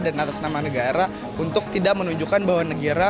dan atas nama negara untuk tidak menunjukkan bahwa negara